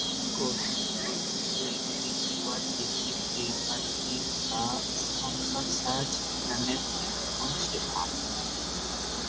কর্তৃক প্রদত্ত একটি কিওয়ার্ড-ভিত্তিক "পে পার ক্লিক" বা "স্পনসর সার্চ" ইন্টারনেট বিজ্ঞাপন সেবা।